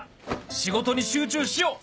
仕事に集中しよう！